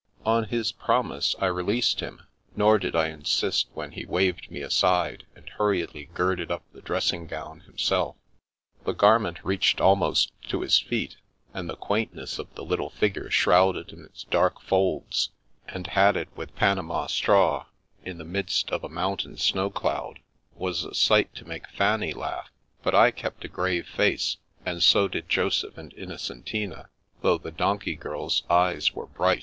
On his promise, I released him, nor did I insist when he waved me aside, and hurriedly girded up the dressing gown himself. The garment reached almost to his feet, and the quaintness of the little figure shrouded in its dark folds and hatted with Panama straw, in the midst of a mountain snow cloud, was a sight to make Fanny laugh ; but I kept a grave face, and so did Joseph and Innocentina, though the donkey girl's eyes were bright.